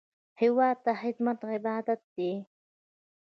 هېواد ته خدمت عبادت دی